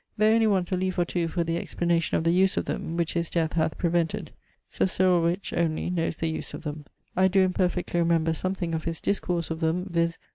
There only wants a leafe or two for the explanation of the use of them, which his death hath prevented. Sir Cyril Wych, only, knowes the use of them. I doe (imperfectly) remember something of his discourse of them, viz.